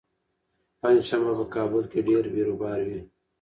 پنجشنبه په کابل کې ډېر بېروبار وي.